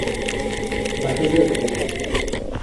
Va ser d'el revés.